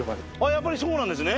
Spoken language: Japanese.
やっぱりそうなんですね。